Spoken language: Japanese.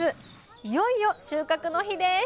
いよいよ収穫の日です